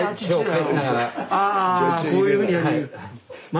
ああこういうふうにやる。